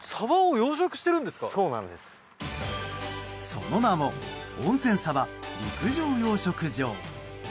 その名も温泉サバ陸上養殖場。